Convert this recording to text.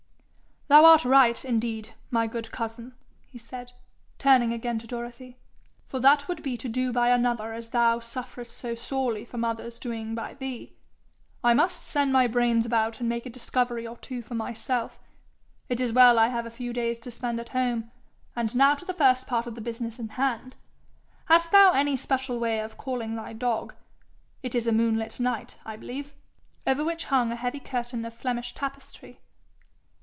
'Thou art right, indeed, my good cousin!' he said, turning again to Dorothy; 'for that would be to do by another as thou sufferest so sorely from others doing by thee. I must send my brains about and make a discovery or two for myself. It is well I have a few days to spend at home. And now to the first part of the business in hand. Hast thou any special way of calling thy dog? It is a moonlit night, I believe.' He rose and went to the window, over which hung a heavy curtain of Flemish tapestry.